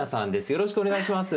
よろしくお願いします。